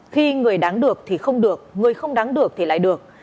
khi người đáng được thì không được người không đáng được thì lại được